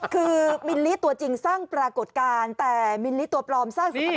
คือมิลลิตัวจริงสร้างปรากฏการณ์แต่มิลลิตัวปลอมสร้างสุภาพ